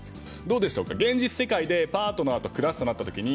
現実世界でパートナーと暮らすとなった時に